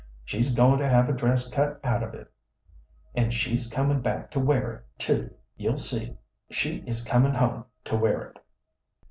She's goin' to have a dress cut out of it, an' she's comin' back to wear it, too. You'll see she is comin' home to wear it."